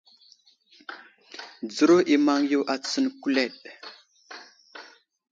Dzəro i maŋ yo a tsəŋ kuleɗ.